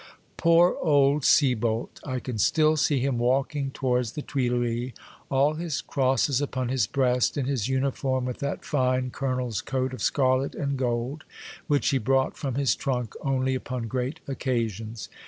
Poor old Sieboldt ! I can still see him walking towards the Tuileries, all his crosses upon his breast, in his uniform with that fine colonel's coat of scarlet and gold, which he brought from his trunk only upon great occasions.